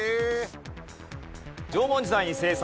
縄文時代に制作。